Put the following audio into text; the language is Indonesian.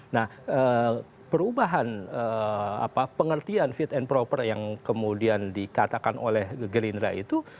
nah perubahan pengertian fit and proper yang kemudian dikatakan oleh gerindra itu